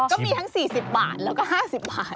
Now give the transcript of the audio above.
อ๋อก็มีทั้งสี่สิบบาทแล้วก็ห้าสิบบาท